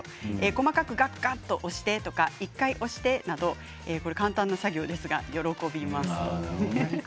細かく押してとか１回押してとか簡単な作業ですが喜びます。